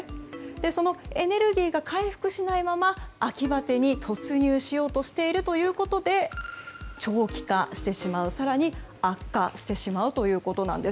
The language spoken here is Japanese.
そのエネルギーが回復しないまま秋バテに突入しようとしているということで長期化して、更に悪化してしまうということなんです。